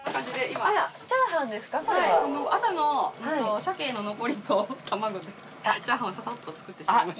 朝の鮭の残りと卵でチャーハンをササッと作ってしまいました。